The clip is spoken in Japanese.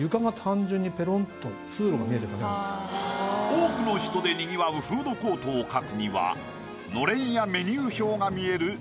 多くの人でにぎわうフードコートを描くにはのれんやメニュー表が見える。